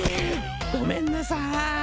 ごめんなさい。